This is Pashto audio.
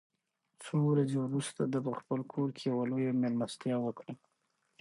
څو ورځې وروسته ده په خپل کور کې یوه لویه مېلمستیا وکړه.